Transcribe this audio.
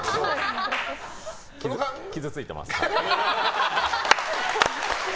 傷ついてます。